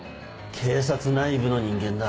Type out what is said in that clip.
警察内部の人間だ。